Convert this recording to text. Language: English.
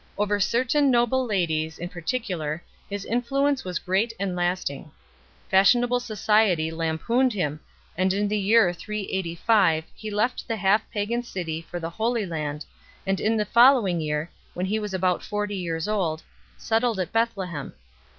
Over certain noble ladies, in particu lar, his influence was great and lasting 1 . Fashionable society lampooned him, and in the year 385 he left the half pagan city 2 for the Holy Land, and in the following year, when he was about forty years old, settled at Bethle hem.